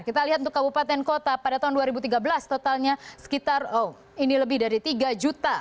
kita lihat untuk kabupaten kota pada tahun dua ribu tiga belas totalnya sekitar oh ini lebih dari tiga juta